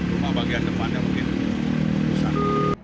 rumah bagian depannya mungkin rusak